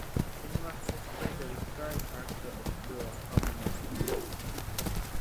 In the latter he played the recurring character of the brewer Harvey Nuttall.